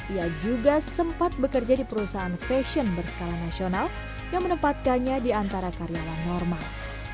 ia juga sempat bekerja di perusahaan fashion berskala nasional yang menempatkannya di antara karyawan normal